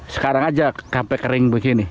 sekarang aja capek kering begini